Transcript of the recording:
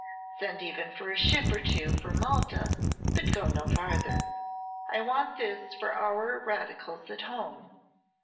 Send even for a ship or two from Malta; but go no farther. I want this for our radicals at home.